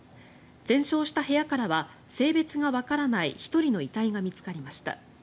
全焼した部屋からは性別がわからない１人の遺体が見つかりました。